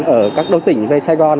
ở các đô tỉnh về sài gòn